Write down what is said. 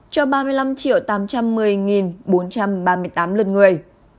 cho ba mươi năm tám trăm một mươi bốn trăm ba mươi tám lượt người